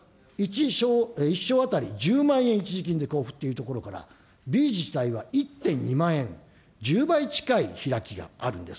１床当たり１０万円、一時金で交付っていうところから、Ｂ自治体は１．２万円、１０倍近い開きがあるんです。